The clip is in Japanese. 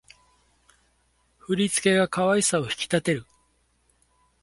振り付けが可愛さを引き立てる